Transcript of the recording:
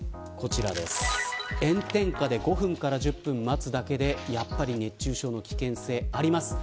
炎天下で５分から１０分待つだけで、やはり熱中症の危険性があります。